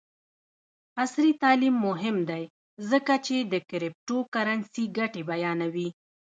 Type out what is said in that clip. عصري تعلیم مهم دی ځکه چې د کریپټو کرنسي ګټې بیانوي.